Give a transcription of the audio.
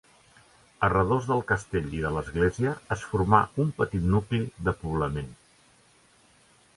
A redós del castell i de l'església es formà un petit nucli de poblament.